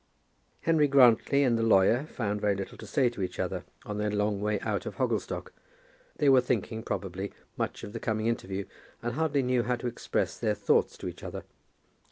Henry Grantly and the lawyer found very little to say to each other on their long way out to Hogglestock. They were thinking, probably, much of the coming interview, and hardly knew how to express their thoughts to each other.